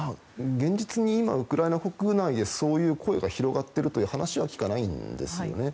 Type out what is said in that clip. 現実に今ウクライナ国内でそういう声が広がっているという聞かないんですよね。